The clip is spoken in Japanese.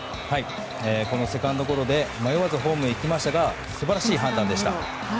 このセカンドゴロで迷わずホームに行きましたが素晴らしい判断でした。